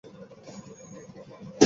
এই নে খিঁর খা।